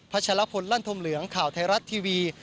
ชะลพลลั่นธมเหลืองข่าวไทยรัฐทีวี